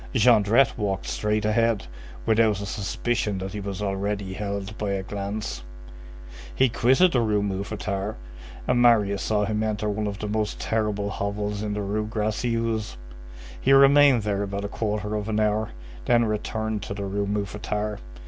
Jondrette walked straight ahead, without a suspicion that he was already held by a glance. He quitted the Rue Mouffetard, and Marius saw him enter one of the most terrible hovels in the Rue Gracieuse; he remained there about a quarter of an hour, then returned to the Rue Mouffetard.